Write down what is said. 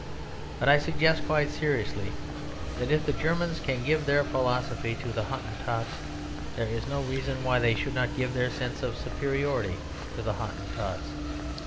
But I suggest quite seriously that if the Germans can give their philosophy to the Hottentots, there is no reason why they should not give their sense of superiority to the Hottentots.